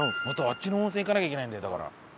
あっちの温泉行かなきゃいけないんだよだから。